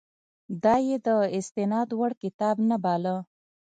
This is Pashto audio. دا یې د استناد وړ کتاب نه باله.